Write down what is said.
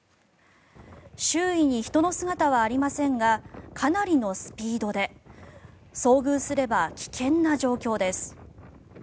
周囲に人の姿はありませんがかなりのスピードで遭遇すれば危険な状況です。